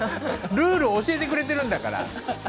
ルールを教えてくれてるんだから授業はね。